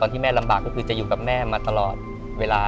ที่แม่ลำบากก็คือจะอยู่กับแม่มาตลอดเวลา